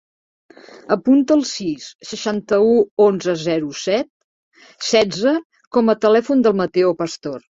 Apunta el sis, seixanta-u, onze, zero, set, setze com a telèfon del Matteo Pastor.